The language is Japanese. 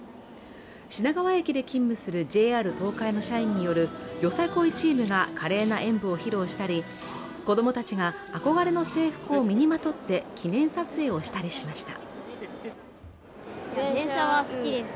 品川駅で勤務するＪＲ東海の社員によるよさこいチームが華麗な演舞を披露したり子供たちが憧れの制服を身にまとって記念撮影をしたりしました。